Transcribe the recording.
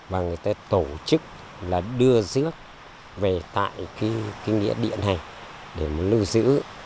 và người ta tổ chức là đưa rước về tại cái nghĩa địa này để mà lưu giữ